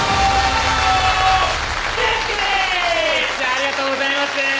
ありがとうございます。